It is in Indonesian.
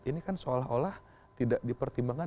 ini kan seolah olah tidak dipertimbangkan